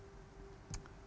kita lihat ya pada aplikasi